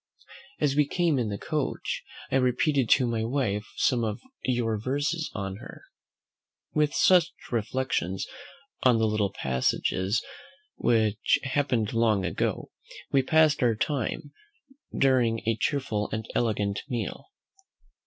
As we came up in the coach, I repeated to my wife some of your verses on her." With such reflections on little passages, which happened long ago, we passed our time, during a cheerful and elegant meal.